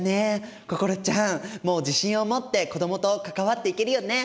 心ちゃんもう自信を持って子どもと関わっていけるよね？